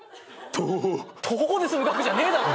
「トホホ」で済む額じゃねえだろ。